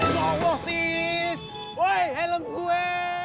ya allah tis helm gue